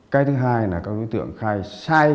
cái thứ hai là các đối tượng khai sai